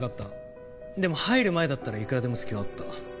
でも入る前だったらいくらでも隙はあった。